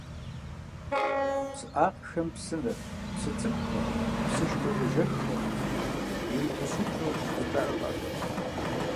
ПсыӀагъхэм псынэр, псы цӀыкӀухэр, псышхуэ ежэххэр имыгъущыкӀыу зэтраӀыгъэ.